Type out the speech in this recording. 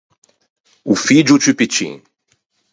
O figgio ciù piccin.